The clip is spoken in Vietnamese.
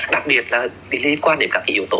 đặc biệt là liên quan đến các cái yếu tố